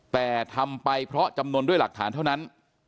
แต่ทำไปเพราะจำนวนด้วยหลักฐานเท่านั้น